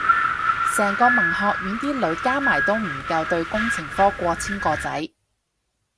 成個文學院啲女加埋都唔夠對工程科過千個仔